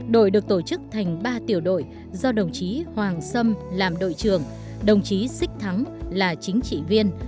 đội được tổ chức thành ba tiểu đội do đồng chí hoàng sâm làm đội trưởng đồng chí sích thắng là chính trị viên